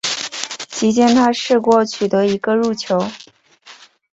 其间他试过取得一个入球。